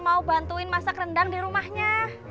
mau bantuin masak rendang di rumahnya